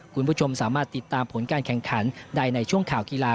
คุณผู้ชมสามารถติดตามผลการแข่งขันได้ในช่วงข่าวกีฬา